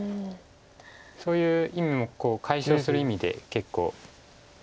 そういう意味も解消する意味で結構。